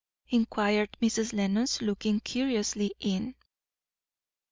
inquired Mrs. Lenox, looking curiously in.